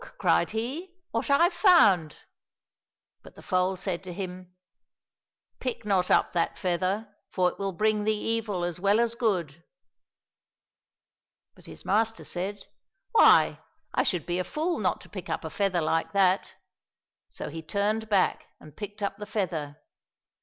" cried he, '' what I've found ! "—But the foal said to him, '' Pick not up that feather, for it will bring thee evil as well as good !"— But his master said, " Why, I should be a fool not to pick up a feather like that !" So he turned back and picked up the feather.